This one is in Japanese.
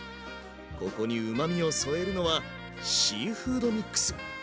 ここにうまみを添えるのはシーフードミックス。